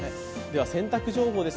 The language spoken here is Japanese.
洗濯情報です。